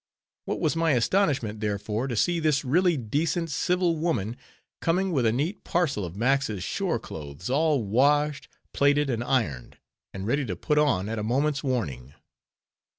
What was my astonishment, therefore, to see this really decent, civil woman coming with a neat parcel of Max's shore clothes, all washed, plaited, and ironed, and ready to put on at a moment's warning.